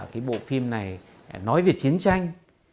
cái bộ phim này nói về chiến tranh